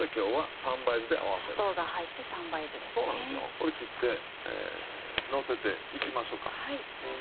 これ切ってのせていきましょうか。